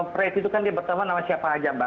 preti itu kan dia berteman sama siapa aja mbak